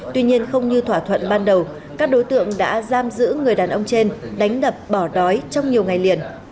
tuy nhiên không như thỏa thuận ban đầu các đối tượng đã giam giữ người đàn ông trên đánh đập bỏ đói trong nhiều ngày liền